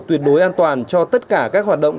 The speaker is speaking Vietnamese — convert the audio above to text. tuyệt đối an toàn cho tất cả các hoạt động